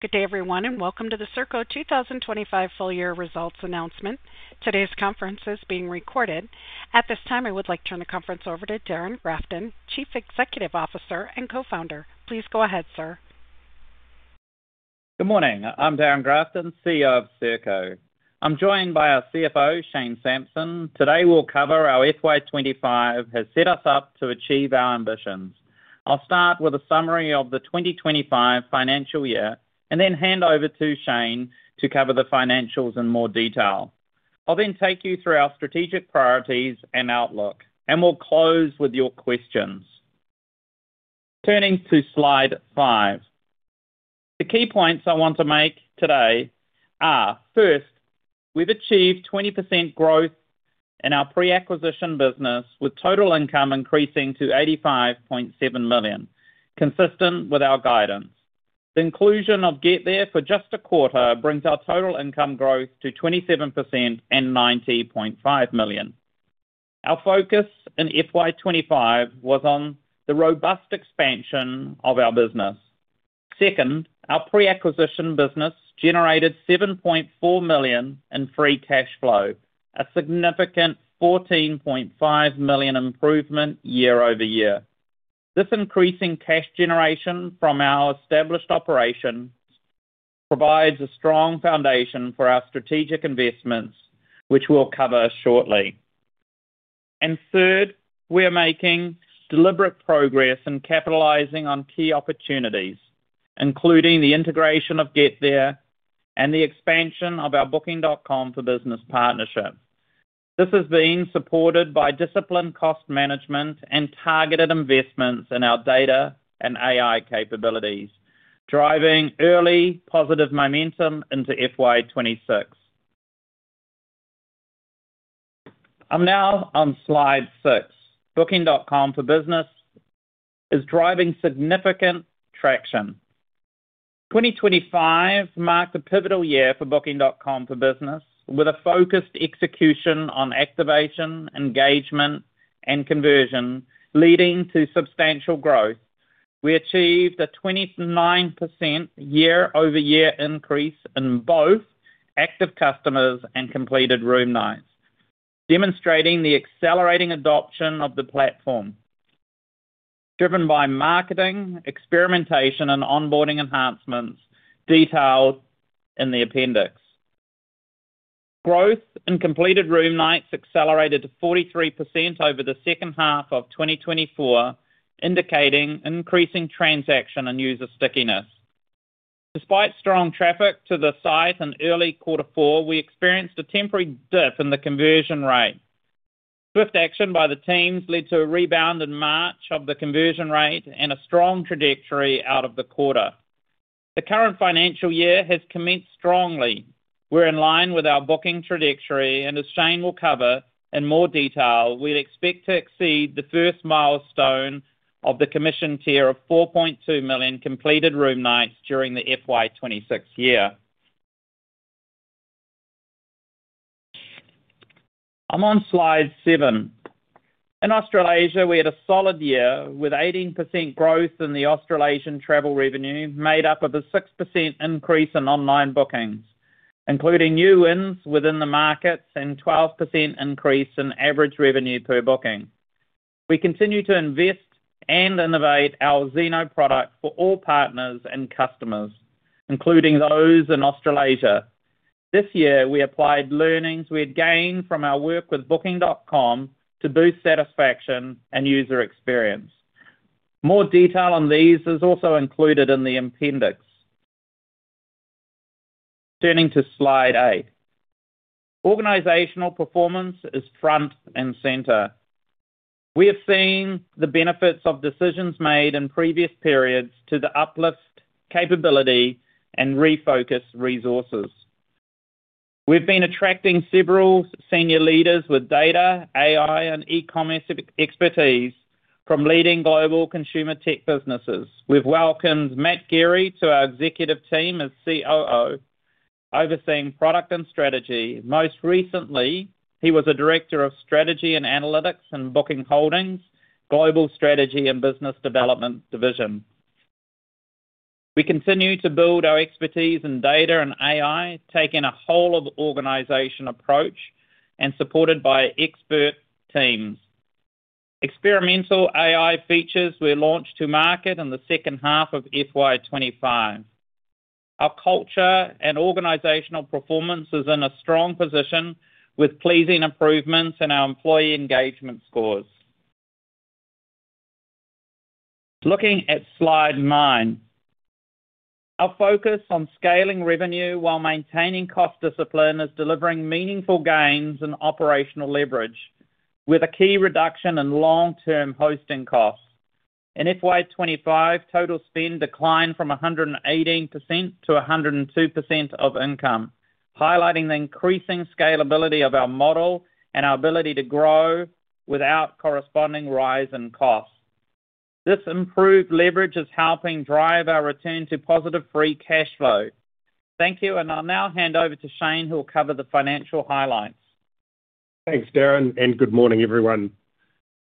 Good day, everyone, and welcome to the Serko 2025 Full-Year Results Announcement. Today's conference is being recorded. At this time, I would like to turn the conference over to Darrin Grafton, Chief Executive Officer and Co-founder. Please go ahead, sir. Good morning. I'm Darrin Grafton, CEO of Serko. I'm joined by our CFO, Shane Sampson. Today, we'll cover how FY25 has set us up to achieve our ambitions. I'll start with a summary of the 2025 financial year and then hand over to Shane to cover the financials in more detail. I'll then take you through our strategic priorities and outlook, and we'll close with your questions. Turning to slide five, the key points I want to make today are: first, we've achieved 20% growth in our pre-acquisition business, with total income increasing to 85.7 million, consistent with our guidance. The inclusion of GetThere for just a quarter brings our total income growth to 27% and 90.5 million. Our focus in FY25 was on the robust expansion of our business. Second, our pre-acquisition business generated 7.4 million in free cash flow, a significant 14.5 million improvement year-over-year. This increasing cash generation from our established operations provides a strong foundation for our strategic investments, which we'll cover shortly. Third, we are making deliberate progress in capitalizing on key opportunities, including the integration of GetThere and the expansion of our Booking.com for business partnership. This has been supported by disciplined cost management and targeted investments in our data and AI capabilities, driving early positive momentum into FY26. I'm now on slide six. Booking.com for business is driving significant traction. 2025 marked a pivotal year for Booking.com for business, with a focused execution on activation, engagement, and conversion, leading to substantial growth. We achieved a 29% year-over-year increase in both active customers and completed room nights, demonstrating the accelerating adoption of the platform, driven by marketing, experimentation, and onboarding enhancements detailed in the appendix. Growth in completed room nights accelerated to 43% over the second half of 2024, indicating increasing transaction and user stickiness. Despite strong traffic to the site in early quarter four, we experienced a temporary dip in the conversion rate. Swift action by the teams led to a rebound in March of the conversion rate and a strong trajectory out of the quarter. The current financial year has commenced strongly. We're in line with our booking trajectory, and as Shane will cover in more detail, we expect to exceed the first milestone of the commission tier of 4.2 million completed room nights during the FY26 year. I'm on slide seven. In Australasia, we had a solid year with 18% growth in the Australasian travel revenue, made up of a 6% increase in online bookings, including new wins within the markets and a 12% increase in average revenue per booking. We continue to invest and innovate our Zeno product for all partners and customers, including those in Australasia. This year, we applied learnings we had gained from our work with Booking.com to boost satisfaction and user experience. More detail on these is also included in the appendix. Turning to slide eight, organizational performance is front and center. We have seen the benefits of decisions made in previous periods to the uplift capability and refocus resources. We've been attracting several senior leaders with data, AI, and e-commerce expertise from leading global consumer tech businesses. We've welcomed Matt Gerrie to our executive team as COO, overseeing product and strategy. Most recently, he was a Director of Strategy and Analytics in Booking Holdings, Global Strategy and Business Development Division. We continue to build our expertise in data and AI, taking a whole-of-organization approach and supported by expert teams. Experimental AI features were launched to market in the second half of FY25. Our culture and organizational performance are in a strong position, with pleasing improvements in our employee engagement scores. Looking at slide nine, our focus on scaling revenue while maintaining cost discipline is delivering meaningful gains in operational leverage, with a key reduction in long-term hosting costs. In FY25, total spend declined from 118% to 102% of income, highlighting the increasing scalability of our model and our ability to grow without corresponding rise in costs. This improved leverage is helping drive our return to positive free cash flow. Thank you, and I'll now hand over to Shane, who will cover the financial highlights. Thanks, Darrin, and good morning, everyone.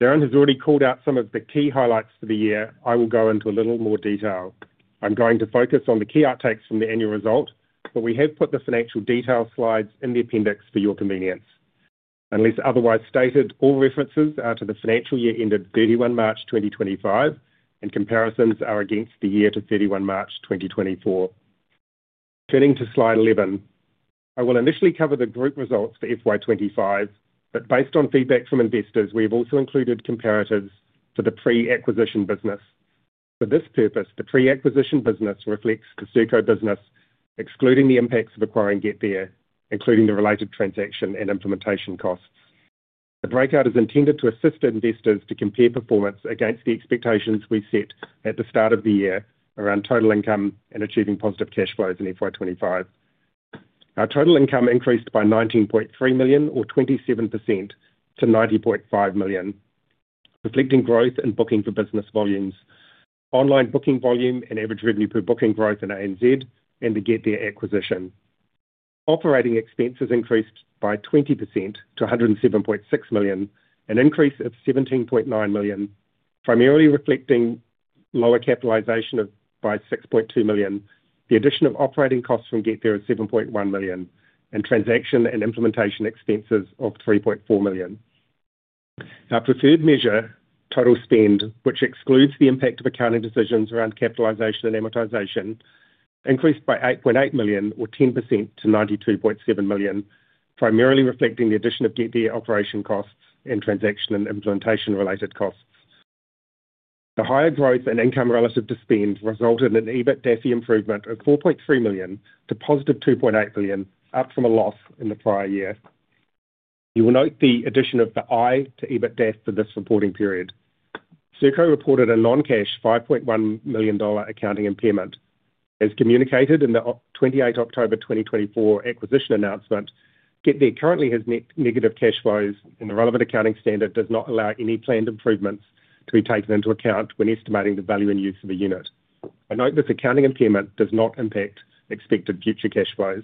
Darrin has already called out some of the key highlights for the year. I will go into a little more detail. I'm going to focus on the key outtakes from the annual result, but we have put the financial detail slides in the appendix for your convenience. Unless otherwise stated, all references are to the financial year ended 31 March 2025, and comparisons are against the year to 31 March 2024. Turning to slide 11, I will initially cover the group results for FY25, but based on feedback from investors, we have also included comparatives for the pre-acquisition business. For this purpose, the pre-acquisition business reflects the Serko business, excluding the impacts of acquiring GetThere, including the related transaction and implementation costs. The breakout is intended to assist investors to compare performance against the expectations we set at the start of the year around total income and achieving positive cash flows in FY25. Our total income increased by 19.3 million, or 27%, to 90.5 million, reflecting growth in Booking.com for business volumes, online booking volume, and average revenue per booking growth in ANZ and the GetThere acquisition. Operating expenses increased by 20% to 107.6 million, an increase of 17.9 million, primarily reflecting lower capitalization by 6.2 million. The addition of operating costs from GetThere is 7.1 million, and transaction and implementation expenses of 3.4 million. Our preferred measure, total spend, which excludes the impact of accounting decisions around capitalization and amortization, increased by 8.8 million, or 10%, to 92.7 million, primarily reflecting the addition of GetThere operation costs and transaction and implementation-related costs. The higher growth in income relative to spend resulted in an EBITDAFI improvement of 4.3 million to positive 2.8 million, up from a loss in the prior year. You will note the addition of the I to EBITDA for this reporting period. Serko reported a non-cash 5.1 million dollar accounting impairment, as communicated in the 28 October 2024 acquisition announcement. GetThere currently has negative cash flows, and the relevant accounting standard does not allow any planned improvements to be taken into account when estimating the value and use of a unit. I note this accounting impairment does not impact expected future cash flows.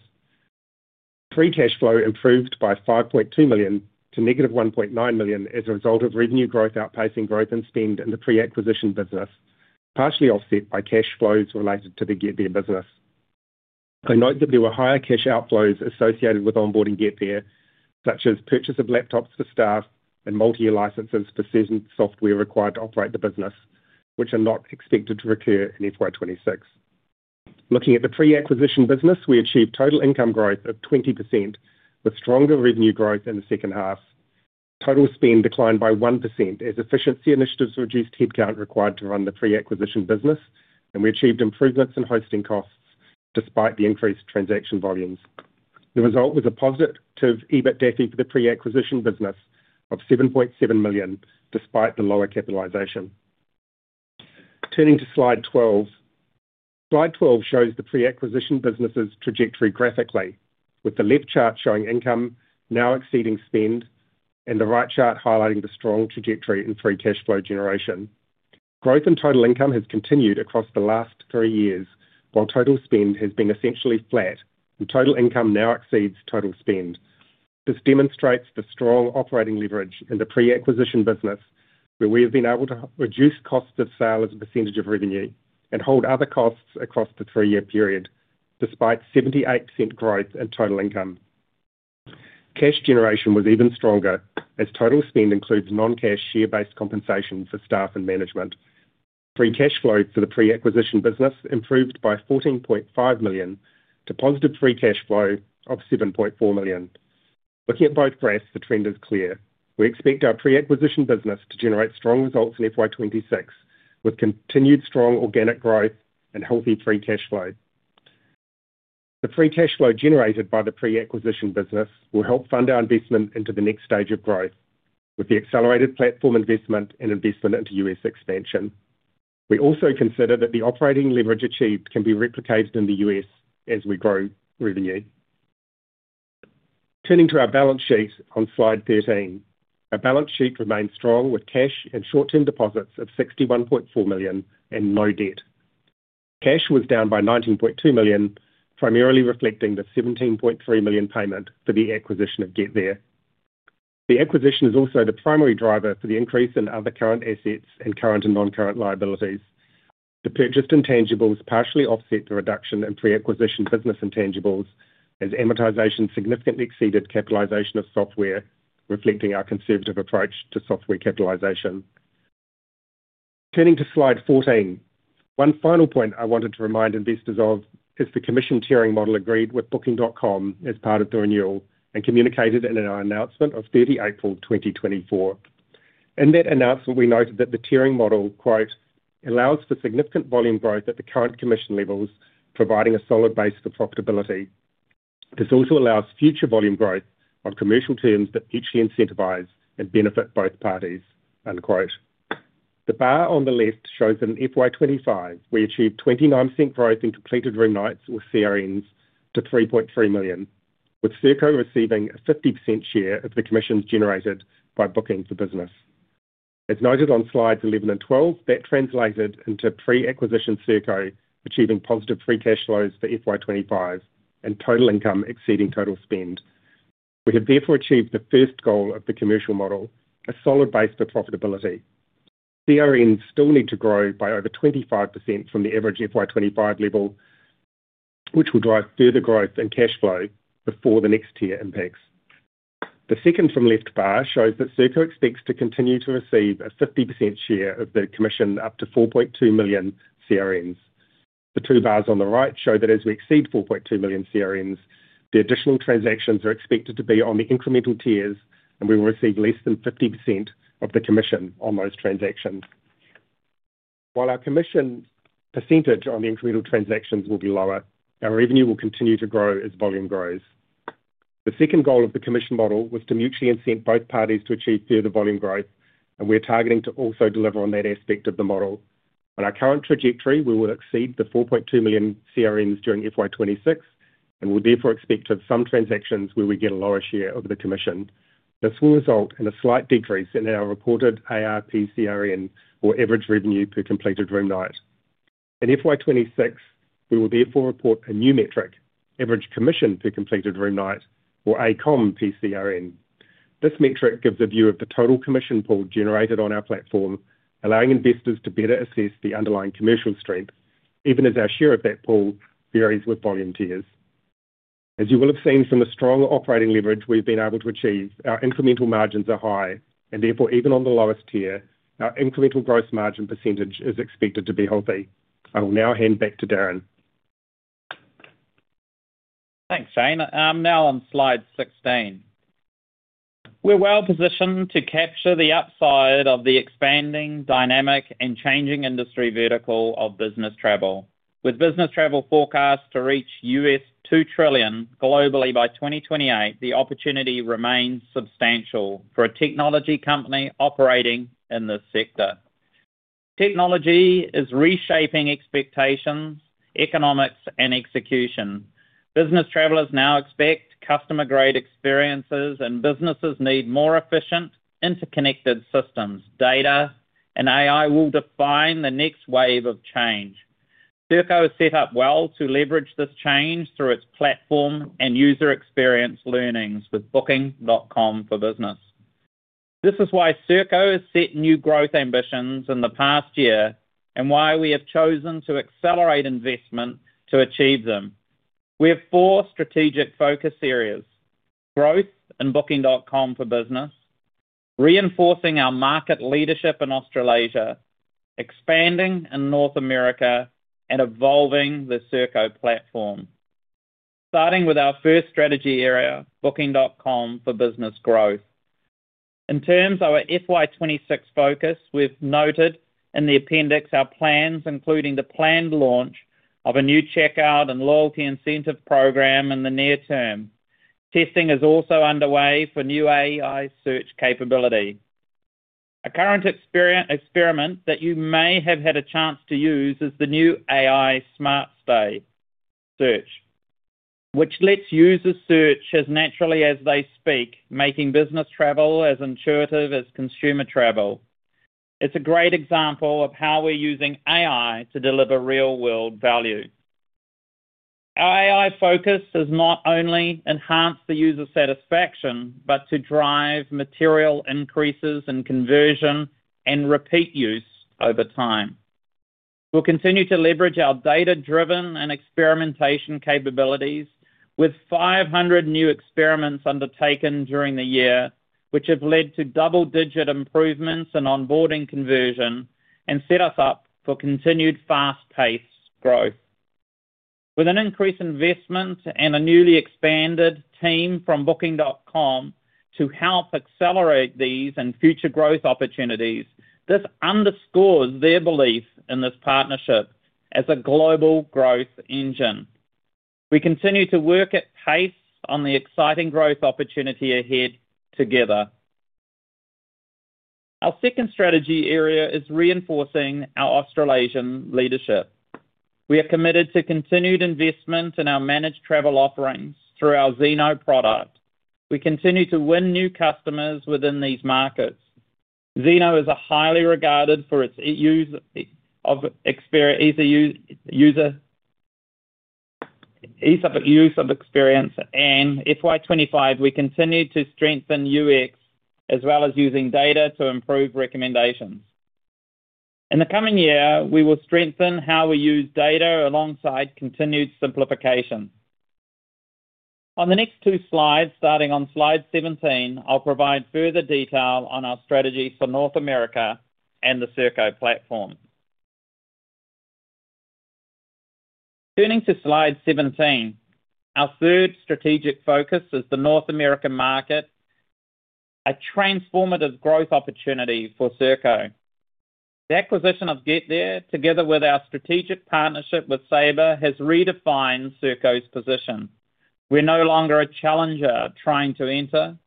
Free cash flow improved by 5.2 million to -1.9 million as a result of revenue growth outpacing growth in spend in the pre-acquisition business, partially offset by cash flows related to the GetThere business. I note that there were higher cash outflows associated with onboarding GetThere, such as purchase of laptops for staff and multi-year licenses for certain software required to operate the business, which are not expected to recur in FY26. Looking at the pre-acquisition business, we achieved total income growth of 20%, with stronger revenue growth in the second half. Total spend declined by 1% as efficiency initiatives reduced headcount required to run the pre-acquisition business, and we achieved improvements in hosting costs despite the increased transaction volumes. The result was a positive EBITDAFI for the pre-acquisition business of 7.7 million, despite the lower capitalization. Turning to slide 12, slide 12 shows the pre-acquisition business's trajectory graphically, with the left chart showing income now exceeding spend and the right chart highlighting the strong trajectory in free cash flow generation. Growth in total income has continued across the last three years, while total spend has been essentially flat, and total income now exceeds total spend. This demonstrates the strong operating leverage in the pre-acquisition business, where we have been able to reduce costs of sale as a percentage of revenue and hold other costs across the three-year period, despite 78% growth in total income. Cash generation was even stronger, as total spend includes non-cash share-based compensation for staff and management. Free cash flow for the pre-acquisition business improved by 14.5 million to positive free cash flow of 7.4 million. Looking at both graphs, the trend is clear. We expect our pre-acquisition business to generate strong results in FY26, with continued strong organic growth and healthy free cash flow. The free cash flow generated by the pre-acquisition business will help fund our investment into the next stage of growth, with the accelerated platform investment and investment into U.S. expansion. We also consider that the operating leverage achieved can be replicated in the U.S. as we grow revenue. Turning to our balance sheet on slide 13, our balance sheet remained strong, with cash and short-term deposits of 61.4 million and no debt. Cash was down by 19.2 million, primarily reflecting the 17.3 million payment for the acquisition of GetThere. The acquisition is also the primary driver for the increase in other current assets and current and non-current liabilities. The purchased intangibles partially offset the reduction in pre-acquisition business intangibles, as amortization significantly exceeded capitalization of software, reflecting our conservative approach to software capitalization. Turning to slide 14, one final point I wanted to remind investors of is the commission tiering model agreed with Booking.com as part of the renewal and communicated in our announcement of 30 April 2024. In that announcement, we noted that the tiering model, quote, "allows for significant volume growth at the current commission levels, providing a solid base for profitability. This also allows future volume growth on commercial terms that mutually incentivize and benefit both parties." The bar on the left shows that in FY25, we achieved 29% growth in completed room nights with CRNs to 3.3 million, with Serko receiving a 50% share of the commissions generated by Booking.com for business. As noted on slides 11 and 12, that translated into pre-acquisition Serko achieving positive free cash flows for FY25 and total income exceeding total spend. We have therefore achieved the first goal of the commercial model: a solid base for profitability. CRNs still need to grow by over 25% from the average FY25 level, which will drive further growth in cash flow before the next tier impacts. The second from left bar shows that Serko expects to continue to receive a 50% share of the commission up to 4.2 million CRNs. The two bars on the right show that as we exceed 4.2 million CRNs, the additional transactions are expected to be on the incremental tiers, and we will receive less than 50% of the commission on those transactions. While our commission percentage on the incremental transactions will be lower, our revenue will continue to grow as volume grows. The second goal of the commission model was to mutually incent both parties to achieve further volume growth, and we're targeting to also deliver on that aspect of the model. On our current trajectory, we will exceed the 4.2 million CRNs during FY26, and we'll therefore expect to have some transactions where we get a lower share of the commission. This will result in a slight decrease in our reported ARPCRN, or average revenue per completed room nights. In FY26, we will therefore report a new metric, average commission per completed room night, or AComPCRN. This metric gives a view of the total commission pool generated on our platform, allowing investors to better assess the underlying commercial strength, even as our share of that pool varies with volumes. As you will have seen from the strong operating leverage we've been able to achieve, our incremental margins are high, and therefore, even on the lowest tier, our incremental gross margin percentage is expected to be healthy. I will now hand back to Darrin. Thanks, Shane. I'm now on slide 16. We're well positioned to capture the upside of the expanding, dynamic, and changing industry vertical of business travel. With business travel forecasts to reach $2 trillion globally by 2028, the opportunity remains substantial for a technology company operating in this sector. Technology is reshaping expectations, economics, and execution. Business travelers now expect customer-grade experiences, and businesses need more efficient, interconnected systems. Data and AI will define the next wave of change. Serko has set up well to leverage this change through its platform and user experience learnings with Booking.com for business. This is why Serko has set new growth ambitions in the past year and why we have chosen to accelerate investment to achieve them. We have four strategic focus areas: growth in Booking.com for business, reinforcing our market leadership in Australasia, expanding in North America, and evolving the Serko platform. Starting with our first strategy area, Booking.com for business growth. In terms of our FY26 focus, we've noted in the appendix our plans, including the planned launch of a new checkout and loyalty incentive program in the near term. Testing is also underway for new AI search capability. A current experiment that you may have had a chance to use is the new AI SmartStay search, which lets users search as naturally as they speak, making business travel as intuitive as consumer travel. It's a great example of how we're using AI to deliver real-world value. Our AI focus is not only to enhance the user satisfaction but to drive material increases in conversion and repeat use over time. We'll continue to leverage our data-driven and experimentation capabilities, with 500 new experiments undertaken during the year, which have led to double-digit improvements in onboarding conversion and set us up for continued fast-paced growth. With an increased investment and a newly expanded team from Booking.com to help accelerate these and future growth opportunities, this underscores their belief in this partnership as a global growth engine. We continue to work at pace on the exciting growth opportunity ahead together. Our second strategy area is reinforcing our Australasian leadership. We are committed to continued investment in our managed travel offerings through our Zeno product. We continue to win new customers within these markets. Zeno is highly regarded for its ease of use of experience, and in FY25, we continue to strengthen UX as well as using data to improve recommendations. In the coming year, we will strengthen how we use data alongside continued simplification. On the next two slides, starting on slide 17, I'll provide further detail on our strategy for North America and the Serko platform. Turning to slide 17, our third strategic focus is the North American market, a transformative growth opportunity for Serko. The acquisition of GetThere, together with our strategic partnership with Sabre, has redefined Serko's position. We're no longer a challenger trying to enter.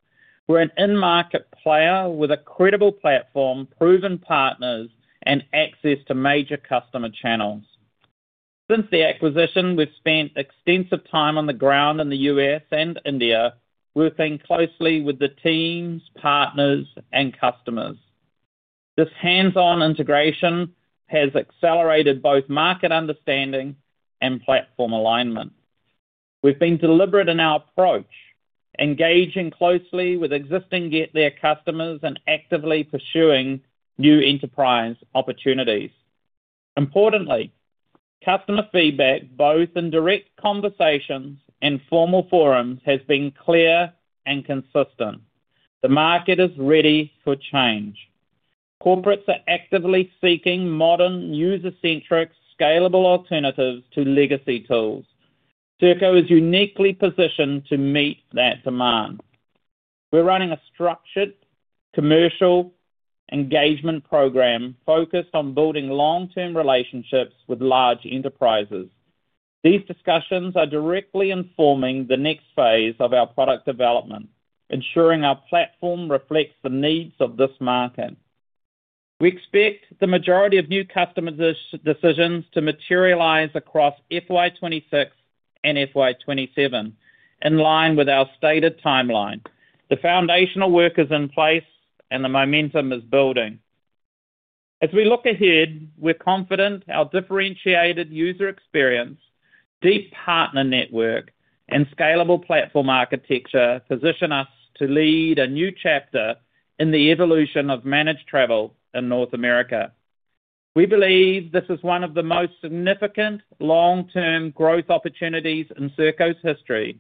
We're an in-market player with a credible platform, proven partners, and access to major customer channels. Since the acquisition, we've spent extensive time on the ground in the U.S. and India, working closely with the teams, partners, and customers. This hands-on integration has accelerated both market understanding and platform alignment. We've been deliberate in our approach, engaging closely with existing GetThere customers and actively pursuing new enterprise opportunities. Importantly, customer feedback, both in direct conversations and formal forums, has been clear and consistent. The market is ready for change. Corporates are actively seeking modern, user-centric, scalable alternatives to legacy tools. Serko is uniquely positioned to meet that demand. We're running a structured commercial engagement program focused on building long-term relationships with large enterprises. These discussions are directly informing the next phase of our product development, ensuring our platform reflects the needs of this market. We expect the majority of new customer decisions to materialize across FY26 and FY27, in line with our stated timeline. The foundational work is in place, and the momentum is building. As we look ahead, we're confident our differentiated user experience, deep partner network, and scalable platform architecture position us to lead a new chapter in the evolution of managed travel in North America. We believe this is one of the most significant long-term growth opportunities in Serko's history,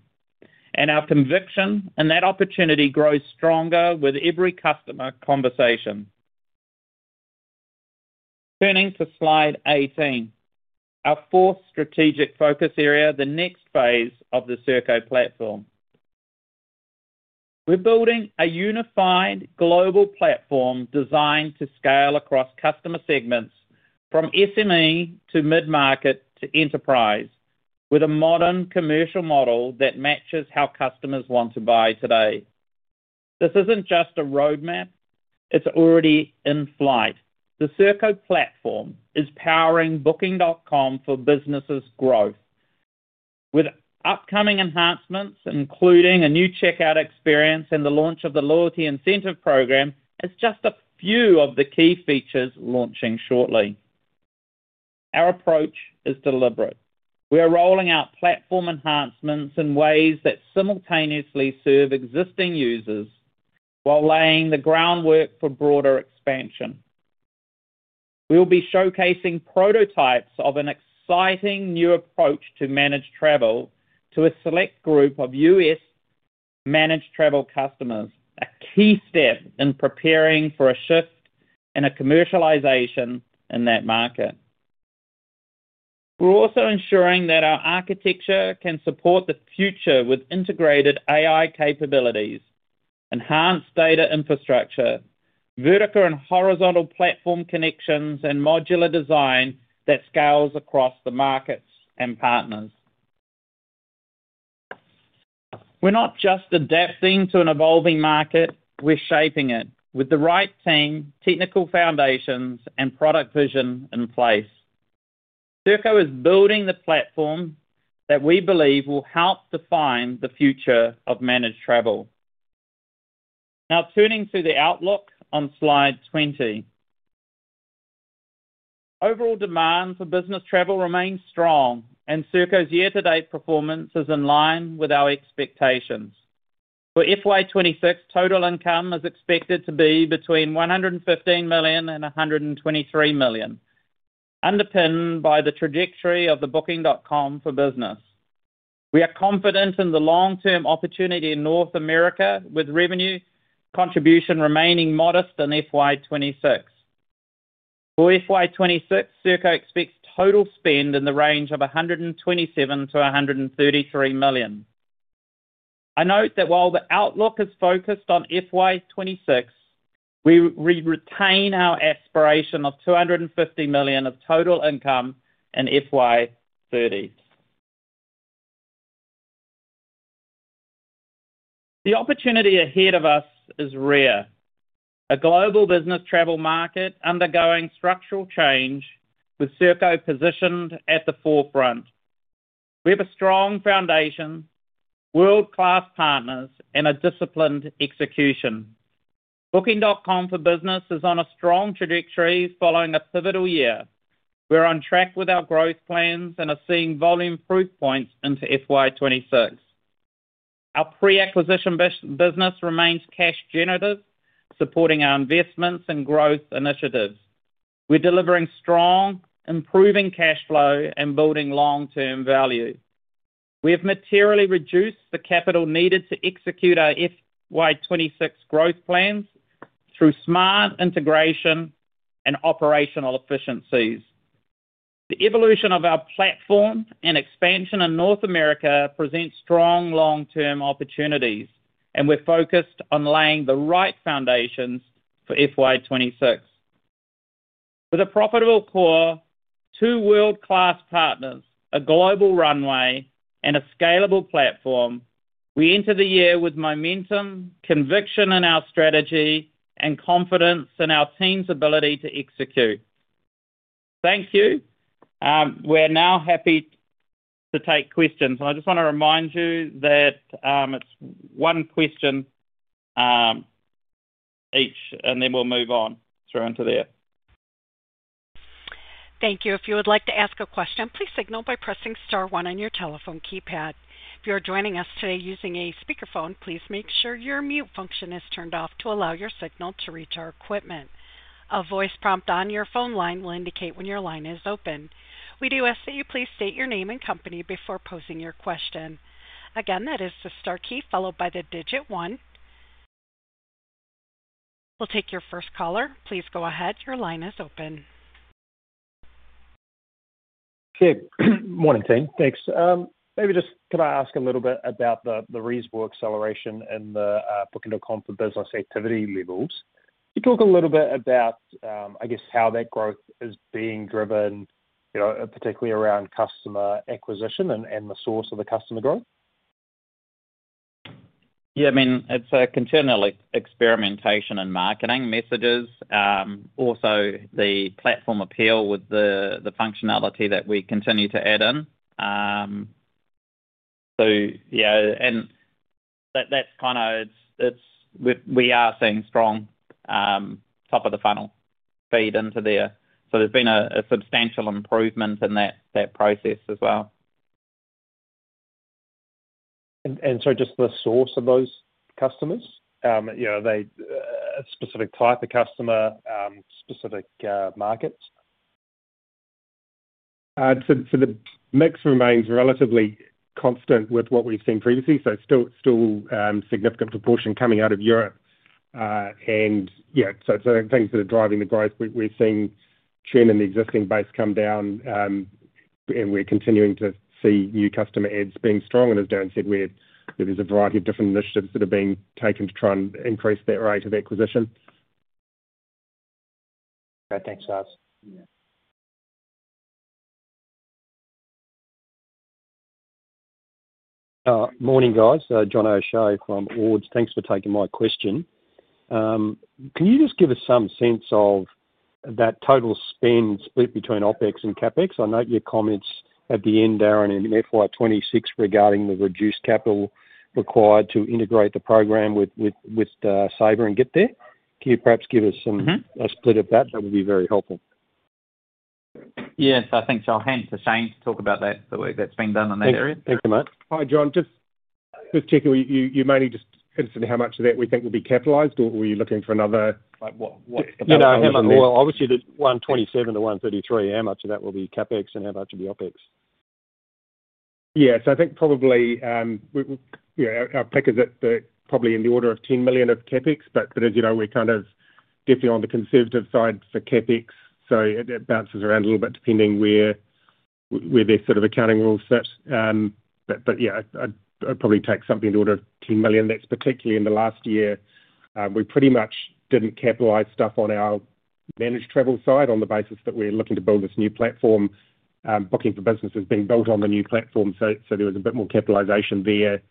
and our conviction in that opportunity grows stronger with every customer conversation. Turning to slide 18, our fourth strategic focus area, the next phase of the Serko platform. We're building a unified global platform designed to scale across customer segments, from SME to mid-market to enterprise, with a modern commercial model that matches how customers want to buy today. This isn't just a roadmap. It's already in flight. The Serko platform is powering Booking.com for business's growth, with upcoming enhancements, including a new checkout experience and the launch of the loyalty incentive program, as just a few of the key features launching shortly. Our approach is deliberate. We are rolling out platform enhancements in ways that simultaneously serve existing users while laying the groundwork for broader expansion. We will be showcasing prototypes of an exciting new approach to managed travel to a select group of U.S. managed travel customers, a key step in preparing for a shift and a commercialization in that market. We're also ensuring that our architecture can support the future with integrated AI capabilities, enhanced data infrastructure, vertical and horizontal platform connections, and modular design that scales across the markets and partners. We're not just adapting to an evolving market; we're shaping it with the right team, technical foundations, and product vision in place. Serko is building the platform that we believe will help define the future of managed travel. Now, turning to the outlook on slide 20, overall demand for business travel remains strong, and Serko's year-to-date performance is in line with our expectations. For FY26, total income is expected to be between 115 million and 123 million, underpinned by the trajectory of the Booking.com for business. We are confident in the long-term opportunity in North America, with revenue contribution remaining modest in FY26. For FY26, Serko expects total spend in the range of 127 million-133 million. I note that while the outlook is focused on FY26, we retain our aspiration of 250 million of total income in FY30. The opportunity ahead of us is rare: a global business travel market undergoing structural change, with Serko positioned at the forefront. We have a strong foundation, world-class partners, and a disciplined execution. Booking.com for business is on a strong trajectory following a pivotal year. We're on track with our growth plans and are seeing volume proof points into FY26. Our pre-acquisition business remains cash-generative, supporting our investments and growth initiatives. We're delivering strong, improving cash flow, and building long-term value. We have materially reduced the capital needed to execute our FY26 growth plans through smart integration and operational efficiencies. The evolution of our platform and expansion in North America presents strong long-term opportunities, and we're focused on laying the right foundations for FY26. With a profitable core, two world-class partners, a global runway, and a scalable platform, we enter the year with momentum, conviction in our strategy, and confidence in our team's ability to execute. Thank you. We're now happy to take questions. I just want to remind you that it's one question each, and then we'll move on through into there. Thank you. If you would like to ask a question, please signal by pressing star one on your telephone keypad. If you are joining us today using a speakerphone, please make sure your mute function is turned off to allow your signal to reach our equipment. A voice prompt on your phone line will indicate when your line is open. We do ask that you please state your name and company before posing your question. Again, that is the star key followed by the digit one. We'll take your first caller. Please go ahead. Your line is open. Good morning, team. Thanks. Maybe just could I ask a little bit about the reasonable acceleration in the Booking.com for business activity levels? Could you talk a little bit about, I guess, how that growth is being driven, particularly around customer acquisition and the source of the customer growth? Yeah. I mean, it's a continued experimentation and marketing messages. Also, the platform appeal with the functionality that we continue to add in. Yeah, and that's kind of we are seeing strong top-of-the-funnel feed into there. There has been a substantial improvement in that process as well. Just the source of those customers, a specific type of customer, specific markets? The mix remains relatively constant with what we've seen previously. Still significant proportion coming out of Europe. Things that are driving the growth, we're seeing chain and the existing base come down, and we're continuing to see new customer ads being strong. As Darrin said, there's a variety of different initiatives that are being taken to try and increase that rate of acquisition. Thanks, guys. Morning, guys. John Osho from [AWDS]. Thanks for taking my question. Can you just give us some sense of that total spend split between OPEX and CAPEX? I note your comments at the end, Darrin, in FY26 regarding the reduced capital required to integrate the program with Sabre and GetThere. Can you perhaps give us a split of that? That would be very helpful. Yes. I think I'll hand to Shane to talk about that, the work that's been done in that area. Thank you, mate. Hi, John. Just particularly, you mainly just hinted at how much of that we think will be capitalized, or were you looking for another? Yeah. Obviously, the 127-133, how much of that will be CAPEX and how much will be OPEX? Yeah. I think probably our pick is probably in the order of 10 million of CAPEX. As you know, we're kind of definitely on the conservative side for CAPEX. It bounces around a little bit depending where their sort of accounting rules sit. Yeah, I'd probably take something in the order of 10 million. That's particularly in the last year. We pretty much did not capitalize stuff on our managed travel side on the basis that we're looking to build this new platform. Booking.com for business is being built on the new platform. There was a bit more capitalization there.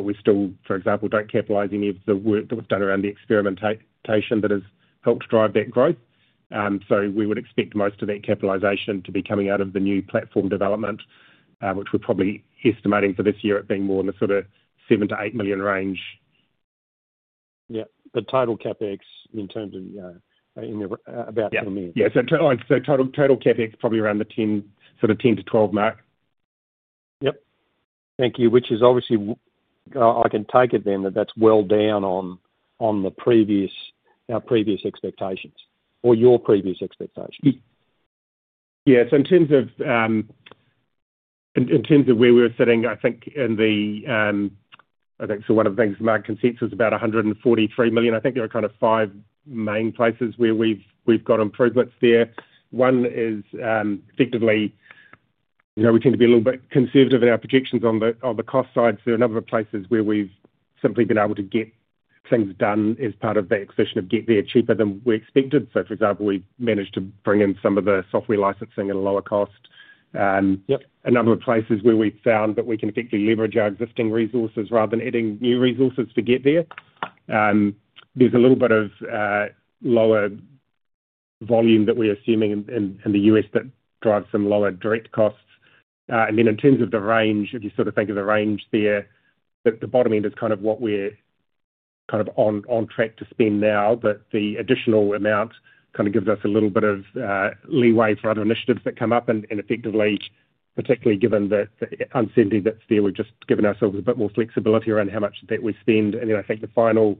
We still, for example, do not capitalize any of the work that was done around the experimentation that has helped drive that growth. We would expect most of that capitalization to be coming out of the new platform development, which we're probably estimating for this year at being more in the sort of 7 million-8 million range. Yeah. But total CAPEX in terms of about 10 million? Yeah. Total CAPEX probably around the sort of 10-12 million mark. Yep. Thank you. Which is obviously, I can take it then that that's well down on our previous expectations or your previous expectations? Yeah. In terms of where we were sitting, I think one of the things, my consensus is about 143 million. I think there are kind of five main places where we've got improvements there. One is, effectively, we tend to be a little bit conservative in our projections on the cost side. A number of places where we've simply been able to get things done as part of the acquisition of GetThere cheaper than we expected. For example, we've managed to bring in some of the software licensing at a lower cost. A number of places where we've found that we can effectively leverage our existing resources rather than adding new resources to GetThere. There's a little bit of lower volume that we're assuming in the U.S. that drives some lower direct costs. In terms of the range, if you sort of think of the range there, the bottom end is kind of what we're kind of on track to spend now. The additional amount kind of gives us a little bit of leeway for other initiatives that come up. Effectively, particularly given the uncertainty that's there, we've just given ourselves a bit more flexibility around how much of that we spend. I think the final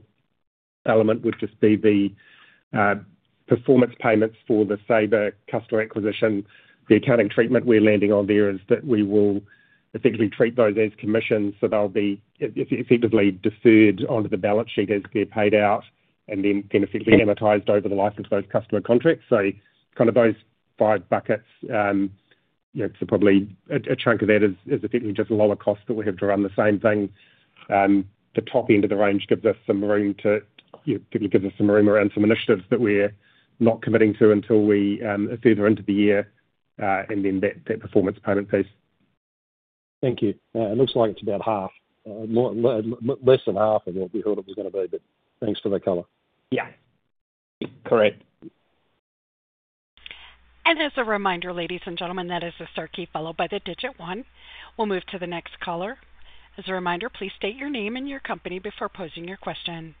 element would just be the performance payments for the Sabre customer acquisition. The accounting treatment we're landing on there is that we will effectively treat those as commissions. They'll be effectively deferred onto the balance sheet as they're paid out and then effectively amortized over the likes of those customer contracts. Kind of those five buckets, so probably a chunk of that is effectively just lower costs that we have to run the same thing. The top end of the range gives us some room to, it gives us some room around some initiatives that we're not committing to until we are further into the year and then that performance payment piece. Thank you. It looks like it's about half, less than half of what we thought it was going to be. Thanks for the color. Yeah. Correct. As a reminder, ladies and gentlemen, that is the star key followed by the digit one. We will move to the next caller. As a reminder, please state your name and your company before posing your question.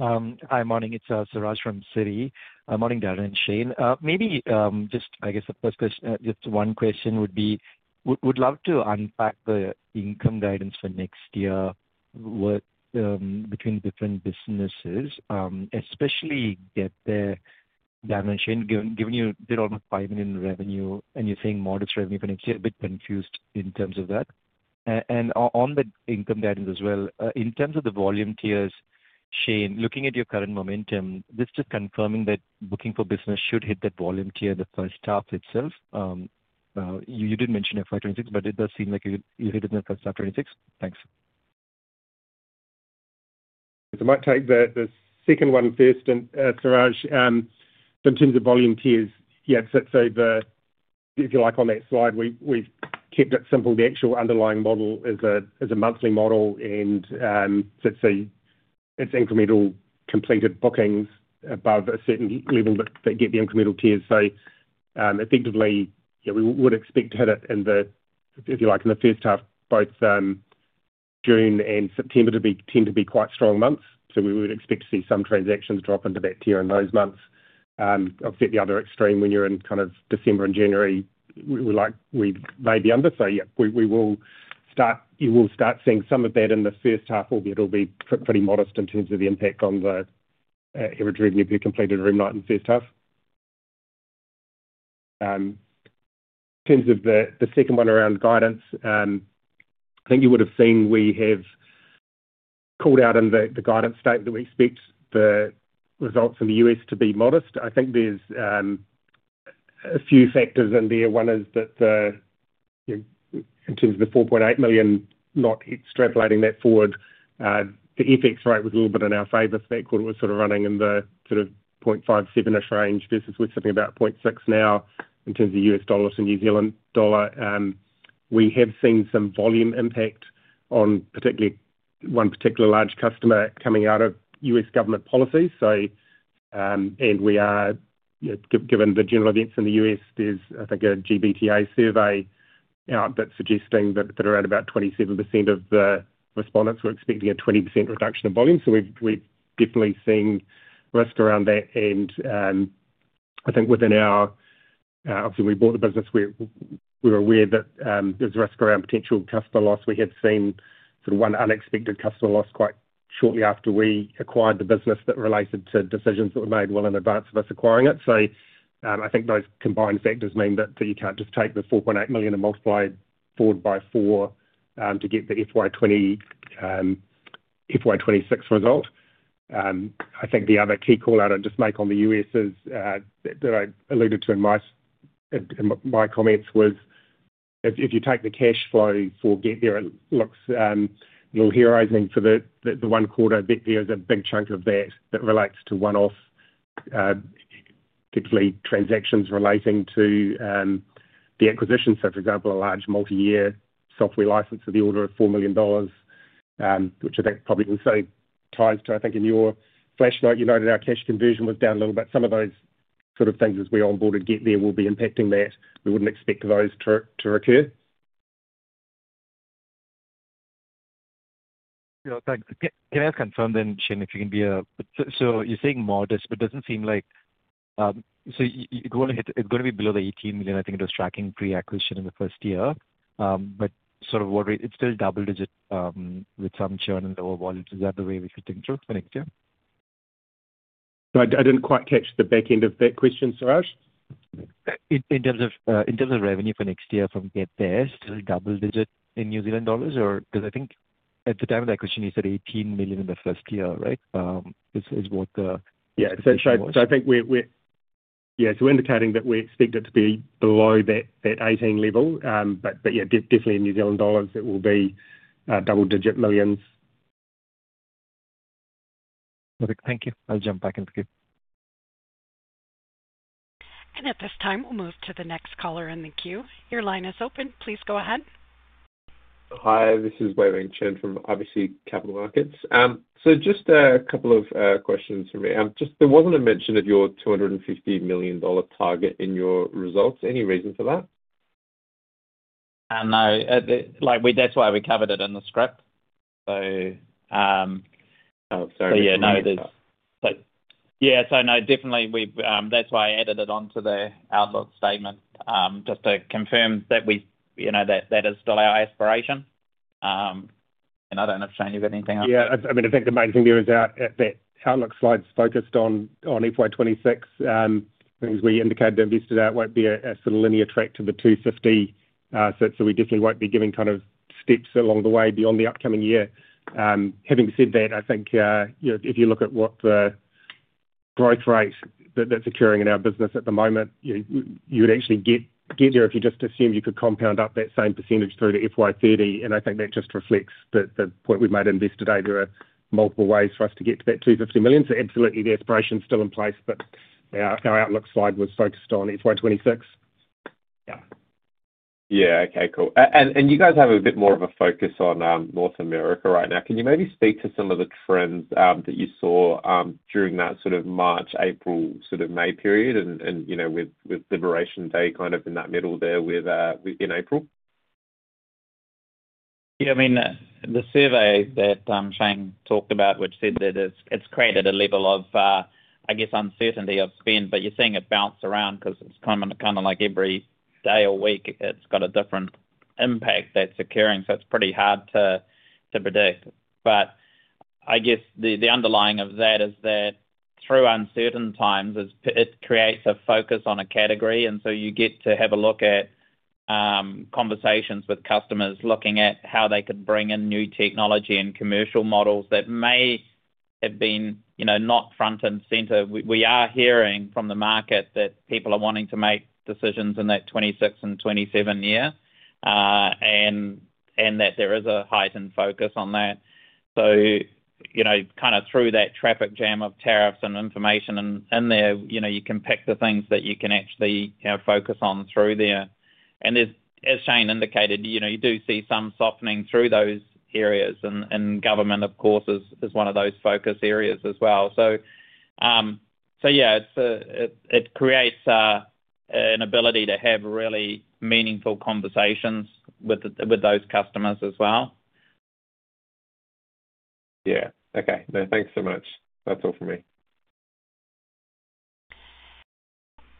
Hi, morning. It's Siraj from Citi. Morning, Darrin and Shane. Maybe just, I guess, the first question, just one question would be, we'd love to unpack the income guidance for next year between different businesses, especially GetThere. Darrin and Shane, given you did almost $5 million in revenue, and you're saying modest revenue for next year, a bit confused in terms of that. On the income guidance as well, in terms of the volume tiers, Shane, looking at your current momentum, this is just confirming that Booking.com for business should hit that volume tier in the first half itself. You did mention FY2026, but it does seem like you hit it in the first half of 2026. Thanks. I might take the second one first, Siraj. In terms of volume tiers, yeah, if you like on that slide, we've kept it simple. The actual underlying model is a monthly model. It is incremental completed bookings above a certain level that get the incremental tiers. Effectively, we would expect to hit it in the, if you like, in the first half. Both June and September tend to be quite strong months. We would expect to see some transactions drop into that tier in those months. Obviously, at the other extreme, when you're in kind of December and January, we may be under. Yeah, we will start seeing some of that in the first half, albeit it'll be pretty modest in terms of the impact on the average revenue per completed room night in the first half. In terms of the second one around guidance, I think you would have seen we have called out in the guidance statement that we expect the results in the U.S. to be modest. I think there's a few factors in there. One is that in terms of the $4.8 million, not extrapolating that forward, the FX rate was a little bit in our favor. That quarter was sort of running in the sort of 0.57-ish range versus we're sitting about 0.6 now in terms of U.S. dollars and New Zealand dollar. We have seen some volume impact on particularly one particular large customer coming out of U.S. government policies. And we are, given the general events in the U.S., there's, I think, a GBTA survey out that's suggesting that around about 27% of the respondents were expecting a 20% reduction in volume. So we've definitely seen risk around that. I think within our obviously, we bought the business. We're aware that there's risk around potential customer loss. We have seen sort of one unexpected customer loss quite shortly after we acquired the business that related to decisions that were made well in advance of us acquiring it. I think those combined factors mean that you can't just take the 4.8 million and multiply it by four to get the FY26 result. I think the other key callout I'd just make on the U.S. is that I alluded to in my comments was if you take the cash flow for GetThere, it looks a little heroizing for the one quarter. There is a big chunk of that that relates to one-off, typically, transactions relating to the acquisition. For example, a large multi-year software license of the order of 4 million dollars, which I think probably also ties to, I think, in your flashnote, you noted our cash conversion was down a little bit. Some of those sort of things as we onboarded GetThere will be impacting that. We would not expect those to recur. Yeah. Can I confirm then, Shane, if you can be a so you're saying modest, but it doesn't seem like so it's going to be below the 18 million, I think it was tracking pre-acquisition in the first year. But sort of what it's still double-digit with some churn and lower volumes. Is that the way we should think through for next year? I didn't quite catch the back end of that question, Siraj. In terms of revenue for next year from GetThere, still double-digit in NZD? Because I think at the time of that question, you said 18 million in the first year, right? Is what the. Yeah. I think we're, yeah, we're indicating that we expect it to be below that 18 level. Yeah, definitely in NZD, it will be double-digit millions. Perfect. Thank you. I'll jump back in the queue. At this time, we'll move to the next caller in the queue. Your line is open. Please go ahead. Hi. This is Wei-Weng Chen from RBC Capital Markets. Just a couple of questions for me. There wasn't a mention of your $250 million target in your results. Any reason for that? No. That is why we covered it in the script. Oh, sorry. Yeah, no. Yeah. No, definitely, that's why I added it onto the outlook statement just to confirm that that is still our aspiration. I don't know if Shane, you've got anything else. Yeah. I mean, I think the main thing there is that outlook slide's focused on FY26. I think as we indicated, invested out won't be a sort of linear track to the 250. You definitely won't be giving kind of steps along the way beyond the upcoming year. Having said that, I think if you look at what the growth rate that's occurring in our business at the moment, you would actually GetThere if you just assumed you could compound up that same percentage through the [FYPB]. I think that just reflects the point we've made investor data multiple ways for us to get to that 250 million. Absolutely, the aspiration's still in place, but our outlook slide was focused on FY26. Yeah. Yeah. Okay. Cool. You guys have a bit more of a focus on North America right now. Can you maybe speak to some of the trends that you saw during that sort of March, April, sort of May period, and with Liberation Day kind of in that middle there in April? Yeah. I mean, the survey that Shane talked about, which said that it's created a level of, I guess, uncertainty of spend. You are seeing it bounce around because it's kind of like every day or week, it's got a different impact that's occurring. It's pretty hard to predict. I guess the underlying of that is that through uncertain times, it creates a focus on a category. You get to have a look at conversations with customers looking at how they could bring in new technology and commercial models that may have been not front and center. We are hearing from the market that people are wanting to make decisions in that 2026 and 2027 year and that there is a heightened focus on that. Kind of through that traffic jam of tariffs and information in there, you can pick the things that you can actually focus on through there. As Shane indicated, you do see some softening through those areas. Government, of course, is one of those focus areas as well. It creates an ability to have really meaningful conversations with those customers as well. Yeah. Okay. No, thanks so much. That's all for me.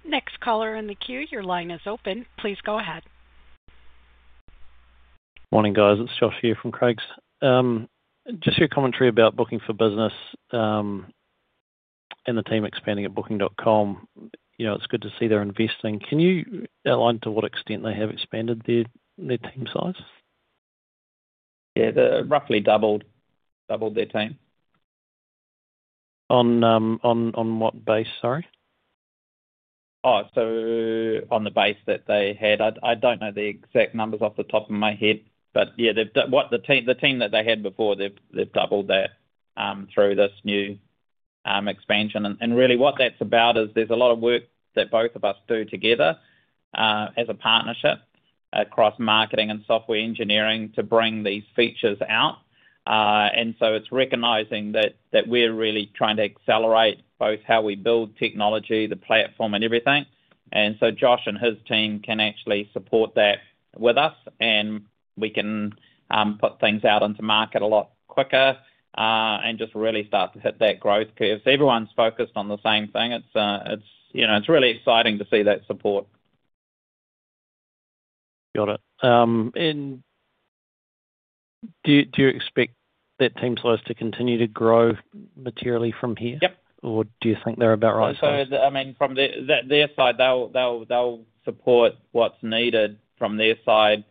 Next caller in the queue. Your line is open. Please go ahead. Morning, guys. It's Josh here from Craigs. Just your commentary about Booking.com for business and the team expanding at Booking.com. It's good to see they're investing. Can you outline to what extent they have expanded their team size? Yeah. They roughly doubled their team. On what base, sorry? Oh, so on the base that they had. I don't know the exact numbers off the top of my head. But yeah, the team that they had before, they've doubled that through this new expansion. Really, what that's about is there's a lot of work that both of us do together as a partnership across marketing and software engineering to bring these features out. It's recognizing that we're really trying to accelerate both how we build technology, the platform, and everything. Josh and his team can actually support that with us. We can put things out into market a lot quicker and just really start to hit that growth curve. Everyone's focused on the same thing. It's really exciting to see that support. Got it. Do you expect that team size to continue to grow materially from here? Yep. Do you think they're about the right size? I mean, from their side, they'll support what's needed from their side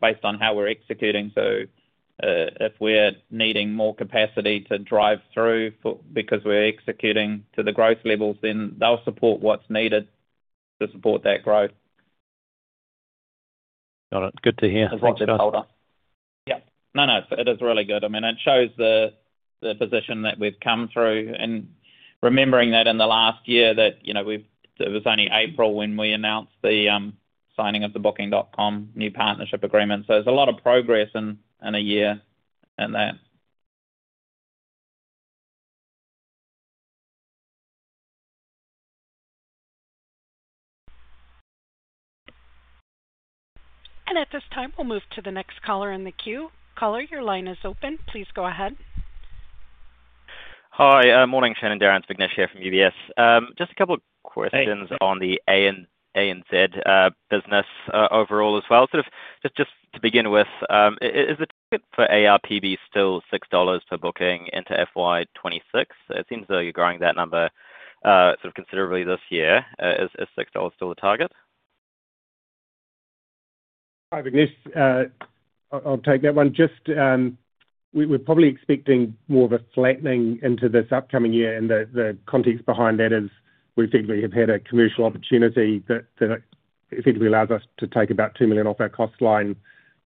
based on how we're executing. If we're needing more capacity to drive through because we're executing to the growth levels, then they'll support what's needed to support that growth. Got it. Good to hear. Yep. No, no. It is really good. I mean, it shows the position that we've come through and remembering that in the last year that it was only April when we announced the signing of the Booking.com new partnership agreement. There is a lot of progress in a year in that. At this time, we'll move to the next caller in the queue. Caller, your line is open. Please go ahead. Hi. Morning, Shane and Darrin. Vignesh here from UBS. Just a couple of questions on the ANZ business overall as well. Sort of just to begin with, is the target for ARPB still $6 per booking into FY26? It seems as though you're growing that number sort of considerably this year. Is $6 still the target? Hi, Vignesh. I'll take that one. We're probably expecting more of a flattening into this upcoming year. The context behind that is we effectively have had a commercial opportunity that effectively allows us to take about 2 million off our cost line,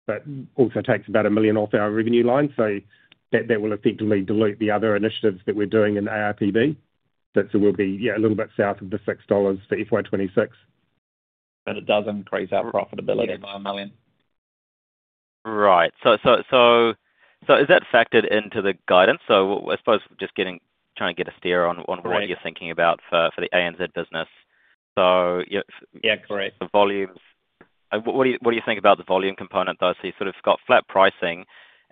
but also takes about 1 million off our revenue line. That will effectively dilute the other initiatives that we're doing in ARPB. We'll be, yeah, a little bit south of the $6 for FY26. It does increase our profitability by $1 million. Right. Is that factored into the guidance? I suppose just trying to get a steer on what you're thinking about for the ANZ business. Yeah. Correct. The volumes, what do you think about the volume component, though? You have sort of got flat pricing,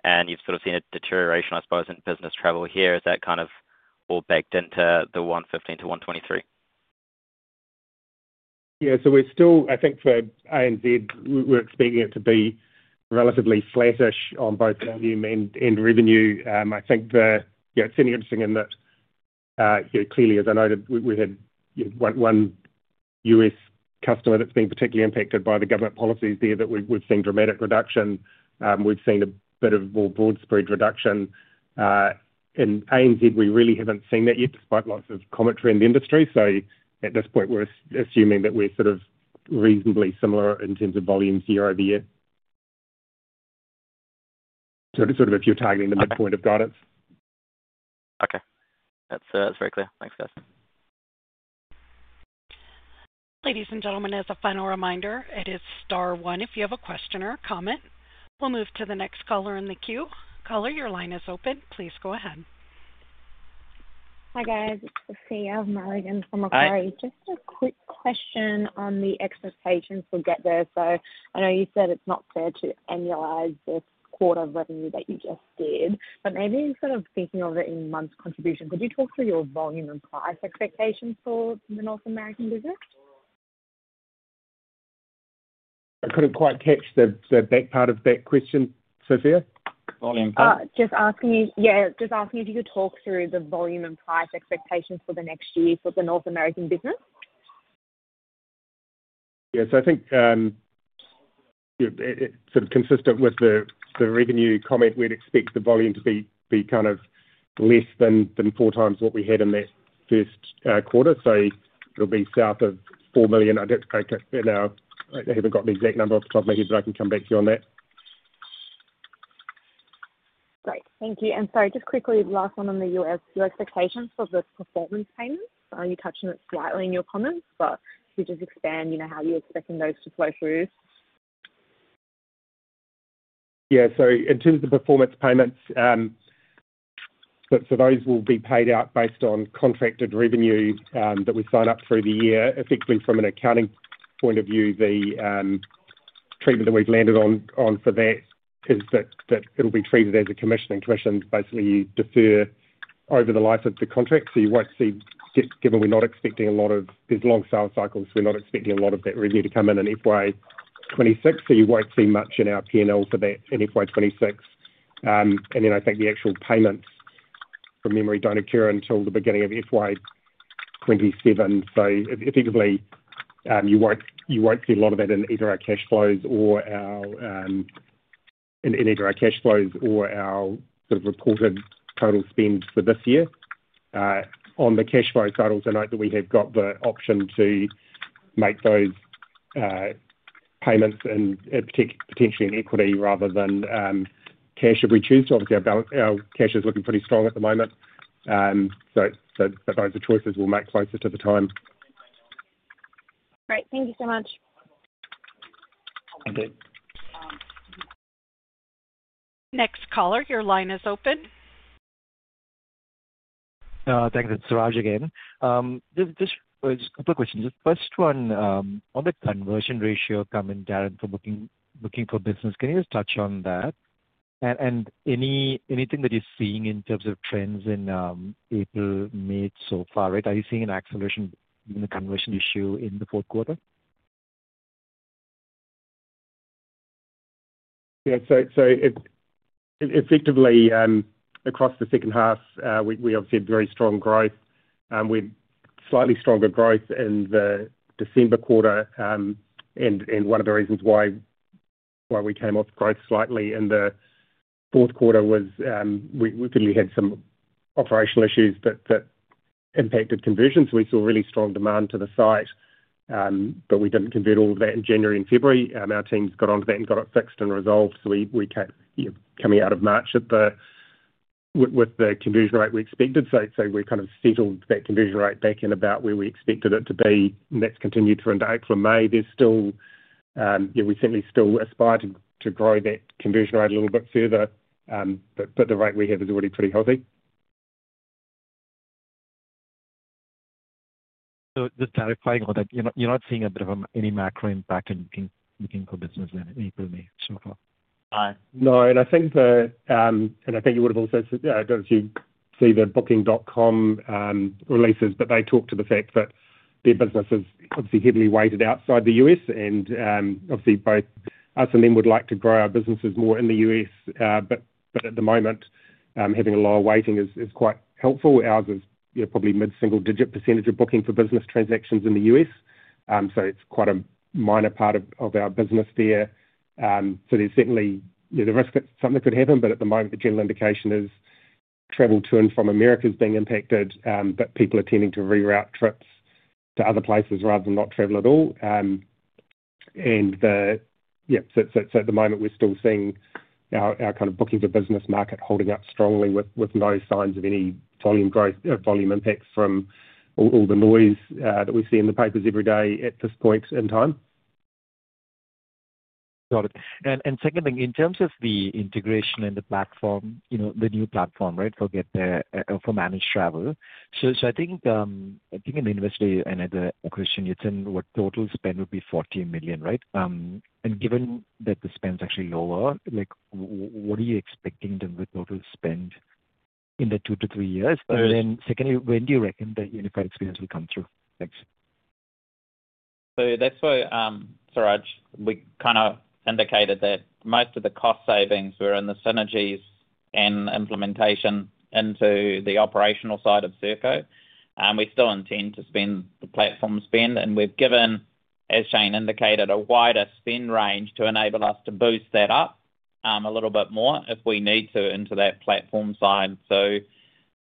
and you have sort of seen a deterioration, I suppose, in business travel here. Is that kind of all baked into the 115-123? Yeah. So we're still, I think, for ANZ, we're expecting it to be relatively flat-ish on both volume and revenue. I think it's interesting in that clearly, as I noted, we had one U.S. customer that's been particularly impacted by the government policies there that we've seen dramatic reduction. We've seen a bit of more broad-spread reduction. In ANZ, we really haven't seen that yet despite lots of commentary in the industry. At this point, we're assuming that we're sort of reasonably similar in terms of volumes year-over-year. It's sort of if you're targeting the midpoint of guidance. Okay. That's very clear. Thanks, guys. Ladies and gentlemen, as a final reminder, it is star one if you have a question or a comment. We'll move to the next caller in the queue. Caller, your line is open. Please go ahead. Hi, guys. It's Sophia Mulligan from Macquarie. Just a quick question on the expectations for GetThere. I know you said it's not fair to annualize this quarter of revenue that you just did, but maybe instead of thinking of it in months' contribution, could you talk through your volume and price expectations for the North American business? I couldn't quite catch the back part of that question, Sophia. Volume price. Just asking you, yeah, just asking you if you could talk through the volume and price expectations for the next year for the North American business. Yeah. I think sort of consistent with the revenue comment, we'd expect the volume to be kind of less than four times what we had in that first quarter. It'll be south of 4 million. I don't know. I haven't got the exact number off the top of my head, but I can come back to you on that. Great. Thank you. Sorry, just quickly, last one on the U.S. Your expectations for the performance payments? I know you touched on it slightly in your comments, but could you just expand how you're expecting those to flow through? Yeah. In terms of the performance payments, those will be paid out based on contracted revenue that we sign up through the year. Effectively, from an accounting point of view, the treatment that we've landed on for that is that it'll be treated as a commission. And commission, basically, you defer over the life of the contract. You won't see, given we're not expecting a lot of there's long sales cycles, we're not expecting a lot of that revenue to come in FY26. You won't see much in our P&L for that in FY26. I think the actual payments, from memory, do not occur until the beginning of FY27. Effectively, you won't see a lot of that in either our cash flows or our sort of reported total spend for this year. On the cash flow side, also note that we have got the option to make those payments potentially in equity rather than cash if we choose to. Obviously, our cash is looking pretty strong at the moment. Those are choices we will make closer to the time. Great. Thank you so much. Thank you. Next caller, your line is open. Thank you. It's Siraj again. Just a couple of questions. Just first one, on the conversion ratio comment, Darrin from Booking.com for business, can you just touch on that? And anything that you're seeing in terms of trends in April, May so far, right? Are you seeing an acceleration in the conversion issue in the fourth quarter? Yeah. So effectively, across the second half, we obviously had very strong growth. We had slightly stronger growth in the December quarter. One of the reasons why we came off growth slightly in the fourth quarter was we definitely had some operational issues that impacted conversion. We saw really strong demand to the site, but we did not convert all of that in January and February. Our teams got onto that and got it fixed and resolved. We kept coming out of March with the conversion rate we expected. We have kind of settled that conversion rate back in about where we expected it to be. That has continued through into April and May. There is still, yeah, we certainly still aspire to grow that conversion rate a little bit further, but the rate we have is already pretty healthy. Just clarifying on that, you're not seeing a bit of any macro impact in Booking.com for business in April, May so far? No. I think you would have also said that if you see the Booking.com releases, but they talk to the fact that their business is obviously heavily weighted outside the U.S. Obviously, both us and them would like to grow our businesses more in the U.S. At the moment, having a lower weighting is quite helpful. Ours is probably mid-single-digit percentage of Booking.com for business transactions in the U.S. It is quite a minor part of our business there. There is certainly the risk that something could happen. At the moment, the general indication is travel to and from America is being impacted, but people are tending to reroute trips to other places rather than not travel at all. At the moment, we're still seeing our kind of Booking.com for business market holding up strongly with no signs of any volume impacts from all the noise that we see in the papers every day at this point in time. Got it. Second thing, in terms of the integration and the platform, the new platform, right, for GetThere for managed travel. I think in the investor, another question, you said what total spend would be 40 million, right? Given that the spend is actually lower, what are you expecting in terms of total spend in the two to three years? Secondly, when do you reckon that unified experience will come through? Thanks. That's where, Siraj, we kind of indicated that most of the cost savings were in the synergies and implementation into the operational side of Serko. We still intend to spend the platform spend. As Shane indicated, we've given a wider spend range to enable us to boost that up a little bit more if we need to into that platform side.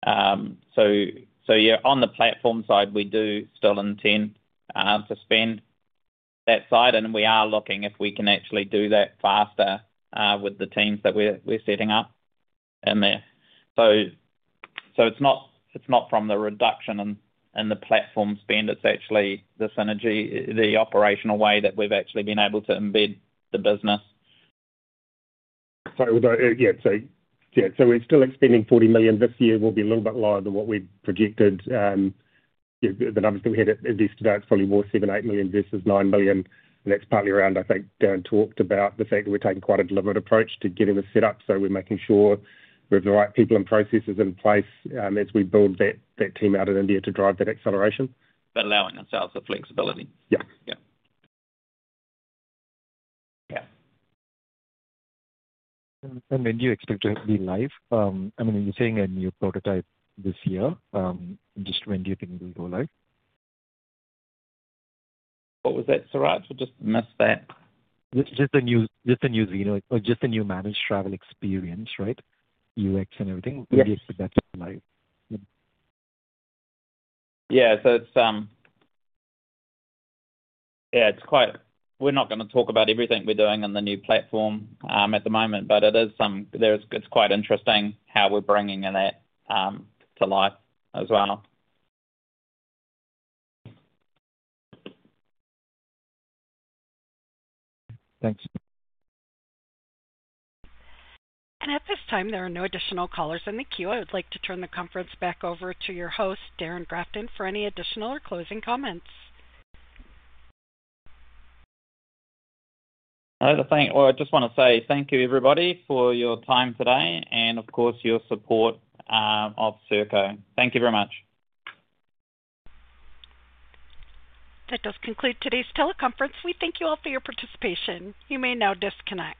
On the platform side, we do still intend to spend that side. We are looking if we can actually do that faster with the teams that we're setting up in there. It's not from the reduction in the platform spend. It's actually the synergy, the operational way that we've actually been able to embed the business. Sorry. Yeah. So yeah, we're still expending 40 million this year. We'll be a little bit lower than what we've projected. The numbers that we had at this date, it's probably more 7 million-8 million versus 9 million. That's partly around, I think, Darrin talked about the fact that we're taking quite a deliberate approach to getting the setup. We're making sure we have the right people and processes in place as we build that team out in India to drive that acceleration. Allowing ourselves the flexibility. Yeah. Yeah. When do you expect to be live? I mean, you're saying a new prototype this year. Just when do you think it will go live? What was that, Siraj? We just missed that. Just the new Zeno or just the new managed travel experience, right? UX and everything. When do you expect that to live? Yeah. It is quite—we're not going to talk about everything we're doing on the new platform at the moment, but it is something that's quite interesting how we're bringing that to life as well. Thanks. At this time, there are no additional callers in the queue. I would like to turn the conference back over to your host, Darrin Grafton, for any additional or closing comments. I just want to say thank you, everybody, for your time today and, of course, your support of Serko. Thank you very much. That does conclude today's teleconference. We thank you all for your participation. You may now disconnect.